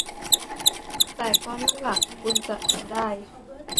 แต่ก็นั่นล่ะคุณจะทำได้